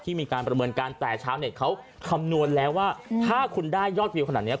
มีการประเมินการแต่ชาวเน็ตเขาคำนวณแล้วว่าถ้าคุณได้ยอดวิวขนาดนี้